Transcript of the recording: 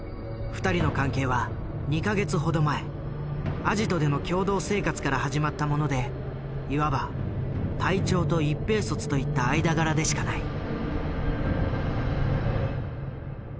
二人の関係は２か月ほど前アジトでの共同生活から始まったものでいわば隊長と一兵卒といった間柄でしかない。